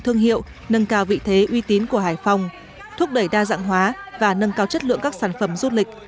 thương hiệu nâng cao vị thế uy tín của hải phòng thúc đẩy đa dạng hóa và nâng cao chất lượng các sản phẩm du lịch